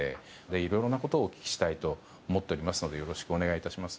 いろいろなことをお聞きしたいと思っておりますのでよろしくお願いいたします。